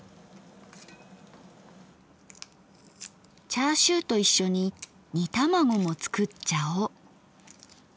チャーシューと一緒に煮卵も作っちゃおう。